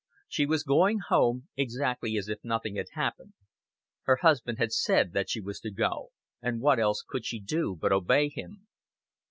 She was going home, exactly as if nothing had happened. Her husband had said that she was to go, and what else could she do but obey him?